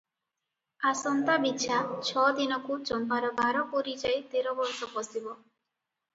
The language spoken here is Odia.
ଆସନ୍ତା ବିଛା ଛ ଦିନକୁ ଚମ୍ପାର ବାର ପୁରି ଯାଇ ତେର ବର୍ଷ ପଶିବ ।